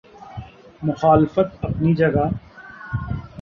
مخالفت اپنی جگہ۔